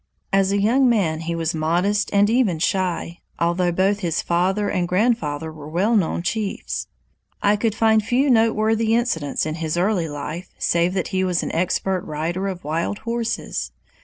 As a young man he was modest and even shy, although both his father and grandfather were well known chiefs. I could find few noteworthy incidents in his early life, save that he was an expert rider of wild horses.